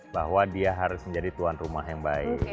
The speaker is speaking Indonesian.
bahwa dia harus menjadi tuan rumah yang baik